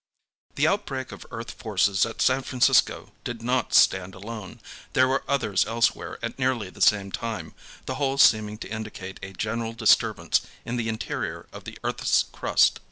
The outbreak of earth forces at San Francisco did not stand alone. There were others elsewhere at nearly the same time, the whole seeming to indicate a general disturbance in the interior of the earth's crust.